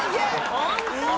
本当？